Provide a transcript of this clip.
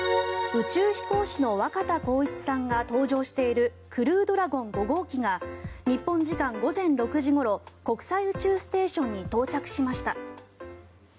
宇宙飛行士の若田光一さんが搭乗しているクルードラゴン５号機が日本時間午前６時ごろ国際宇宙ステーションに到着しました。